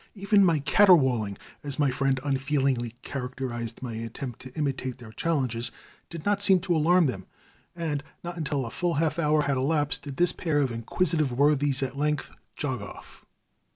Even my caterwauling, as my friend unfeelingly characterized my attempt to imitate their challenges, did not seem to alarm them, and not until a full half hour had elapsed did this pair of inquisitive worthies at length jog off.